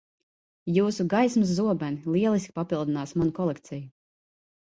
Jūsu gaismas zobeni lieliski papildinās manu kolekciju.